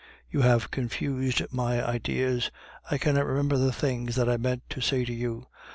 You have confused my ideas; I cannot remember the things that I meant to say to you.